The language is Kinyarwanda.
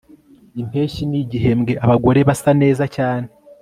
Impeshyi nigihembwe abagore basa neza cyane